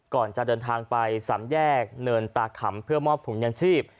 ก่อนจะเดินทางไปสามแยกเนินตาขำเพื่อมอบถุงยางชีพ